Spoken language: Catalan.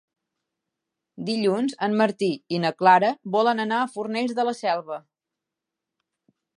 Dilluns en Martí i na Clara volen anar a Fornells de la Selva.